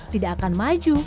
tidak akan maju